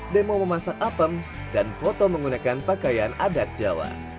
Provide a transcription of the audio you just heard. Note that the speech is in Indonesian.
demo memasak apem dan foto menggunakan pakaian adat jawa